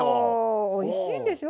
おいしいんですよ